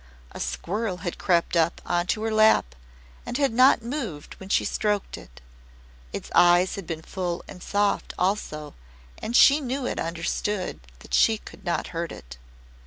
A squirrel had crept up onto her lap and had not moved when she stroked it. Its eyes had been full and soft also, and she knew it understood that she could not hurt it.